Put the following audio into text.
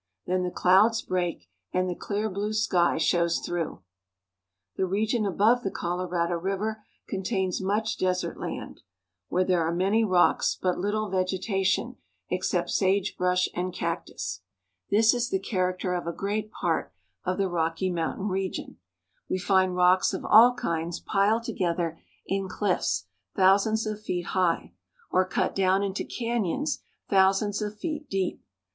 Then the clouds break, and the clear blue sky shows through. The region about the Colorado River contains much desert land, where there are manv rocks, but httle veeeta tion except sagebrush and cactus. This is the character of The Grand Canyon. TREASURE VAULTS OF THE ROCKIES. 239 a great part of the Rocky Mountain Region. We find rocks of all kinds piled together in cliffs thousands of feet high, or cut down into canyons thousands of feet deep.